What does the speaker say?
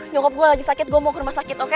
nyokop gue lagi sakit gue mau ke rumah sakit oke